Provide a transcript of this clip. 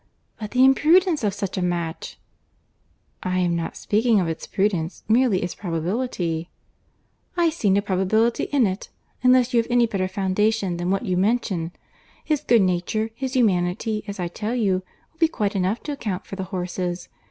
"But the imprudence of such a match!" "I am not speaking of its prudence; merely its probability." "I see no probability in it, unless you have any better foundation than what you mention. His good nature, his humanity, as I tell you, would be quite enough to account for the horses.